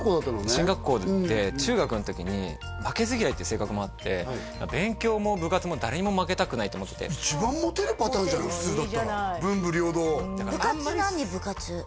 進学校で中学の時に負けず嫌いっていう性格もあって勉強も部活も誰にも負けたくないと思ってて一番モテるパターンじゃない普通だったら文武両道部活何？